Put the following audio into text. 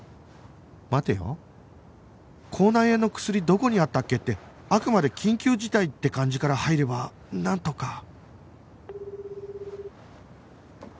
待てよ「口内炎の薬どこにあったっけ？」ってあくまで緊急事態って感じから入ればなんとか